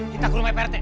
kita ke rumah pak rt